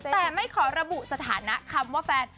แต่ไม่ขอระบุสถานะคำว่าแฟน